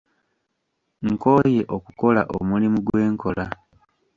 Nkooye okukola omulimu gwe nkola.